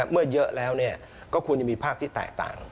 เมื่อเยอะแล้วก็ควรจะมีภาพที่แตกต่าง